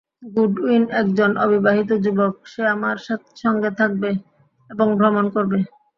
Goodwin একজন অবিবাহিত যুবক, সে আমার সঙ্গে থাকবে এবং ভ্রমণ করবে।